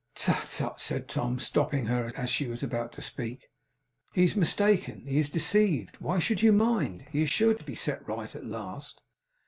'Tut, tut,' said Tom, stopping her as she was about to speak. 'He is mistaken. He is deceived. Why should you mind? He is sure to be set right at last.